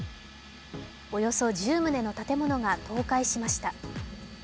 およそ１０棟の建物が倒壊しました。